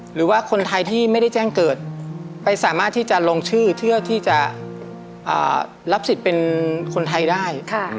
หรือว่าคนไทยที่ไม่ได้แจ้งเกิดไปสามารถที่จะลงชื่อเพื่อที่จะรับสิทธิ์เป็นคนไทยได้